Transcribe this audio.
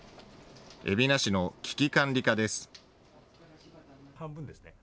海老名市の危機管理課です。